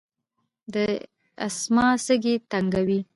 د اسثما سږي تنګوي.